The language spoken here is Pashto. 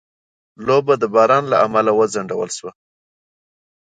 لوبه د باران له امله وځنډول شوه.